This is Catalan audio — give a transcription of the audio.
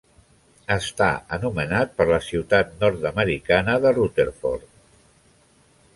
Està anomenat per la ciutat nord-americana de Rutherford.